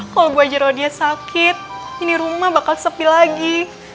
kalau bu ajar rodia sakit ini rumah bakal sepi lagi